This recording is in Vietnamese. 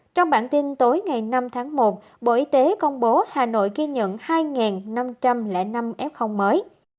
trong bản tin tối ngày năm tháng một bộ y tế công bố hà nội ghi nhận hai năm trăm linh năm f mới